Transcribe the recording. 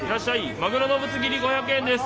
まぐろのぶつ切り５００円です。